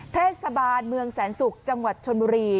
เทศบาลเมืองแสนศุกร์จังหวัดชนบุรี